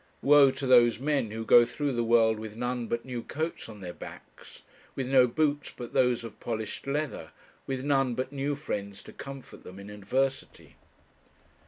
Woe to those men who go through the world with none but new coats on their backs, with no boots but those of polished leather, with none but new friends to comfort them in adversity.